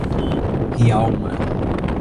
Rialma